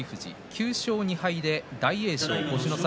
９勝２敗で大栄翔が星の差